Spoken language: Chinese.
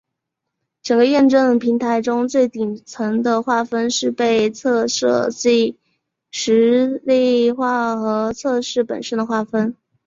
整个验证平台中最顶层的划分是被测设计实例化和测试本身的划分。